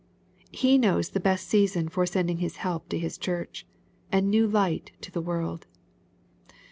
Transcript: He knows the best season for sending help to His church, and new light to the world.